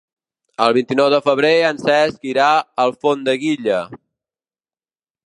El vint-i-nou de febrer en Cesc irà a Alfondeguilla.